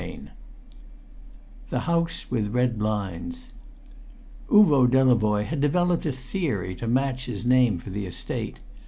CHAPTER II The House with Red Blinds Uvo Delavoye had developed a theory to match his name for the Estate.